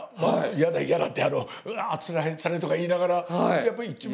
「嫌だ嫌だ」って「つらいつらい」とか言いながらやっぱり一番。